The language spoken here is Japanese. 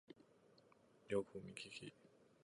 よくみききしわかりそしてわすれず